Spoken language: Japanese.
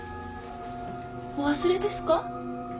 お忘れですか？